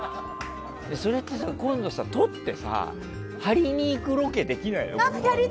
それって今度さ、撮って貼りに行くロケできないの？